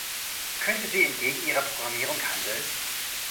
Könnte sie entgegen ihrer Programmierung handeln?